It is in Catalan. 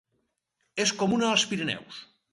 És comuna als Pirineus.